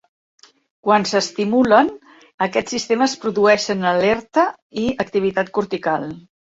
Quan s"estimulen, aquests sistemes produeixen alerta i activitat cortical.